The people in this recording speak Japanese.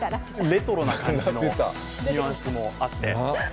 レトロな感じのニュアンスもあって。